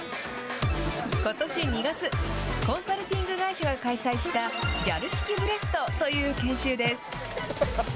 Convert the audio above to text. ことし２月、コンサルティング会社が開催した、ギャル式ブレストという研修です。